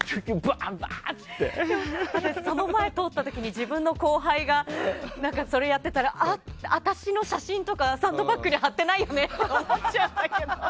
私、その前を通った時に自分の後輩が、それやってたらあっ私の写真とか貼ってないよねとか思っちゃうんだけど。